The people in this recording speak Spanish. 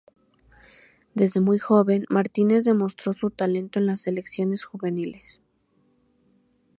Desde muy joven Martínez demostró su talento en las selecciones juveniles.